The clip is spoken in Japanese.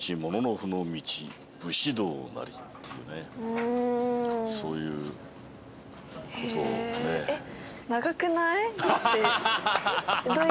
うんそういうことをねへええっ？